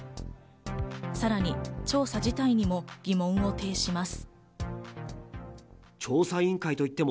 さらに調査自体にも疑問を呈します。